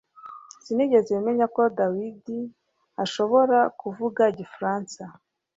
Sinigeze menya ko David ashobora kuvuga Igifaransa